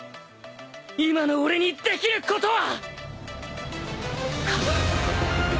今の俺にできることは